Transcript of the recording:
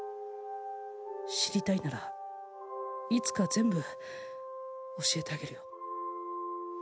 知りたいならいつか全部教えてあげるよ